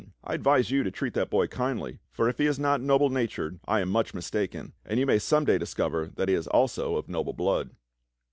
I advise you to treat that boy kindly, for if he is not noble natured I am much mistaken, and you may some day discover that he is also of noble blood."